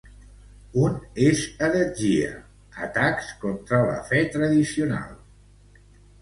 Un és heretgia, atacs contra la Fe tradicional.